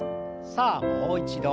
さあもう一度。